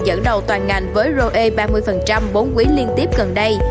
dẫn đầu toàn ngành với roe ba mươi bốn quý liên tiếp gần đây